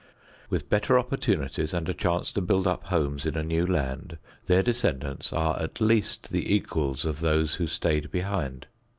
With better opportunities and a chance to build up homes in a new land, their descendants are at least the equals of those who stayed behind.